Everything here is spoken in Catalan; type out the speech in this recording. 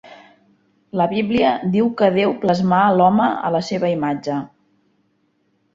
La Bíblia diu que Déu plasmà l'home a la seva imatge.